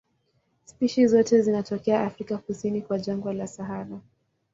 Spishi zote zinatokea Afrika kusini kwa jangwa la Sahara.